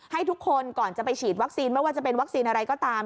ให้ทุกคนก่อนจะไปฉีดวัคซีนไม่ว่าจะเป็นวัคซีนอะไรก็ตาม